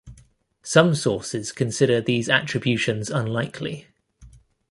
Some sources consider these attributions unlikely.